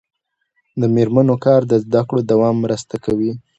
د میرمنو کار د زدکړو دوام مرسته کوي.